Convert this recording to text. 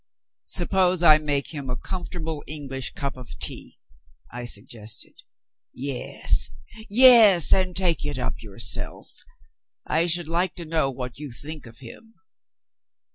"Suppose I make him a comfortable English cup of tea?" I suggested. "Yes, yes! And take it up yourself. I should like to know what you think of him."